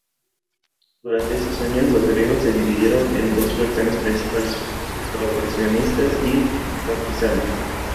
Durante esos años, los griegos se dividieron en dos fracciones principales: colaboracionistas y partisanos.